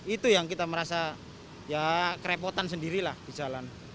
itu yang kita merasa ya kerepotan sendirilah di jalan